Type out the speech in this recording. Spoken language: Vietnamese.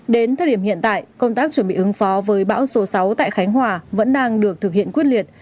đến thời điểm hiện tại công tác chuẩn bị ứng phó với bão số sáu tại khánh hòa vẫn đang được thực hiện quyết liệt